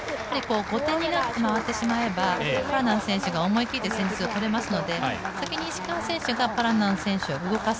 後手になって慌ててしまえばパラナン選手が思い切った戦術がとれますので先に石川選手がパラナン選手を動かす。